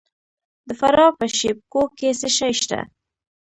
د فراه په شیب کوه کې څه شی شته؟